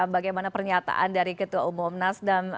bagaimana pernyataan dari ketua umum nasdem